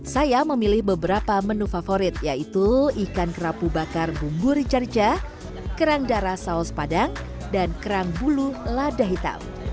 saya memilih beberapa menu favorit yaitu ikan kerapu bakar bumbu richarja kerang darah saus padang dan kerang bulu lada hitam